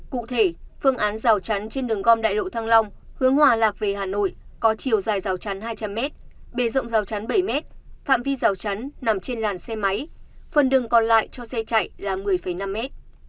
cụ thể phương án rào chắn trên đường gom đại lộ thăng long hướng hòa lạc về hà nội có chiều dài rào rào chắn hai trăm linh mét bề rộng rào chắn bảy mét phạm vi rào chắn nằm trên làn xe máy phần đường còn lại cho xe chạy là một mươi năm mét